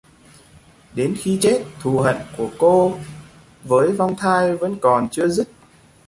Đến khi chết Thù Hận của cô với vong thai vẫn còn chưa dứt